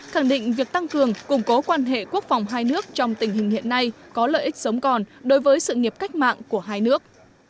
khẳng định việc tăng cường củng cố quan hệ quốc phòng hai nước trong tình hình hiện nay có lợi ích sống còn đối với sự nghiệp cách mạng của hai nước